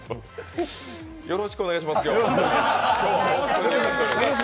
よろしくお願いします、今日。